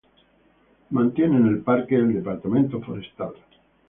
El parque es mantenido por el Departamento Forestal.